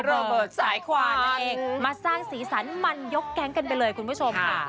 โรเบิร์ตสายควานนั่นเองมาสร้างสีสันมันยกแก๊งกันไปเลยคุณผู้ชมค่ะ